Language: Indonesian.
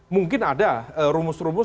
mungkin ada rumus rumus